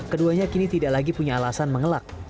keduanya kini tidak lagi punya alasan mengelak